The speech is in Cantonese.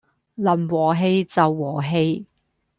能和氣就和氣